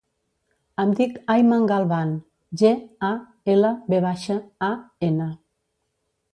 Em dic Ayman Galvan: ge, a, ela, ve baixa, a, ena.